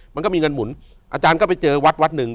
มันก็มีเงินหมุนอาจารย์ก็ไปเจอวัดวัดหนึ่ง